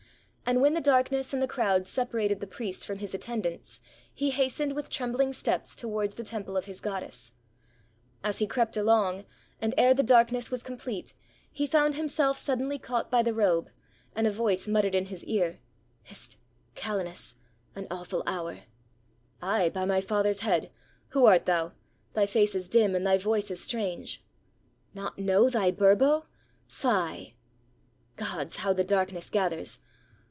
And when the darkness and the crowd separated the priest from his attendants, he hastened with trembhng steps towards the temple of his goddess. As he crept along, and ere the darkness was complete, he felt himself suddenly caught by the robe, and a voice muttered in his ear, — "Hist! — Calenus! — an awful hour!" "Aye! by my father's head! Who art thou? — thy face is dim, and thy voice is strange!" "Not know thy Burbo? — fie!" "Gods! — how the darkness gathers!